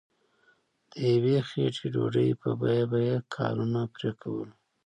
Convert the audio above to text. د یوې خیټې ډوډۍ په بیه به یې کارونه پرې کول.